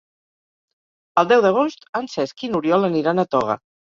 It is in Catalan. El deu d'agost en Cesc i n'Oriol aniran a Toga.